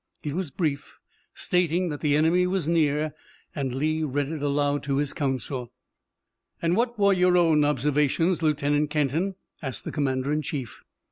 It was brief, stating that the enemy was near, and Lee read it aloud to his council. "And what were your own observations, Lieutenant Kenton?" asked the commander in chief.